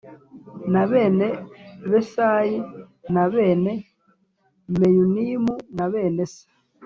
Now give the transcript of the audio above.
Na bene besayi na bene meyunimu na bene se